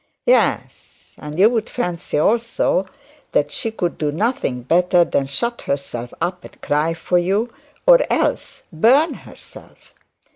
'Yes and you'd fancy also that she could do nothing better than shut herself up and cry for you, or else burn herself.